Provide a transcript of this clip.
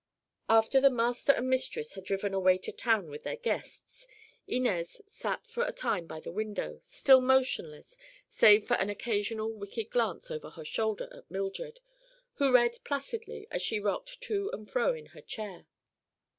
After the master and mistress had driven away to town with their guests, Inez sat for a time by the window, still motionless save for an occasional wicked glance over her shoulder at Mildred, who read placidly as she rocked to and fro in her chair.